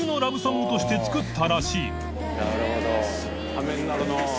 なるほど。））